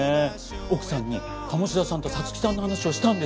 奥さんに鴨志田さんと五月さんの話をしたんですよ。